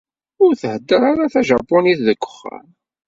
Ur thedder ara tajapunit deg uxxam.